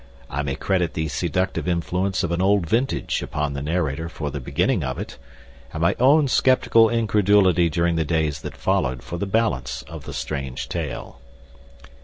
I may credit the seductive influence of an old vintage upon the narrator for the beginning of it, and my own skeptical incredulity during the days that followed for the balance of the strange tale.